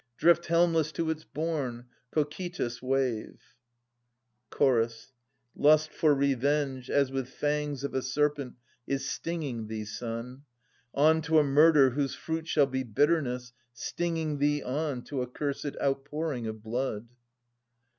Drift helmless to its bourne, Cocytus* wave ! Chorus. {Ant, i) Lust for revenge as with fangs of a serpent is stinging thee, son. On to a murder whose fruit shall be bitterness, stinging thee on To accursed outpouring of blood.